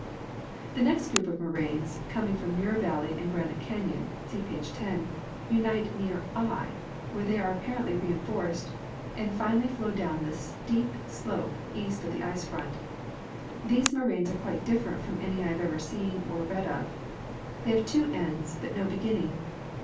The next group of moraines, coming from Main valle}^ and Granite canyon (see plate 10), unite near /, where the}^ are ap parently reinforced, and finally flow down the steep slope east of the ice front. These moraines are quite different from any I have ever seen or read of. They have two ends, but no begin ning.